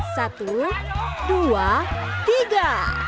satu dua tiga